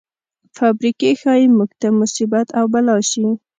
فابریکې ښايي موږ ته مصیبت او بلا شي.